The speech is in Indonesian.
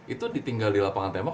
itu ditinggal di lapangan tembok